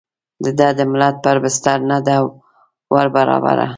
د ده د ملت پر بستر نه ده وربرابره.